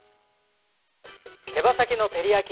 手羽先の照り焼き